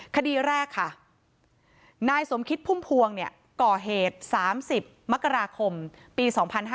คดีแรกค่ะนายสมคิดพุ่มพวงก่อเหตุ๓๐มกราคมปี๒๕๕๙